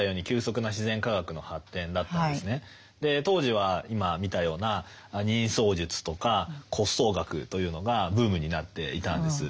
当時は今見たような人相術とか骨相学というのがブームになっていたんです。